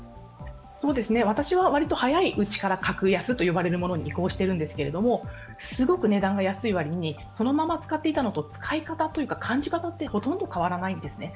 私は割と早いうちから格安というものに移行しているんですけれどもすごく値段が安いわりに、そのまま使っていたのと使い方や感じ方はほとんど変わらないんですね。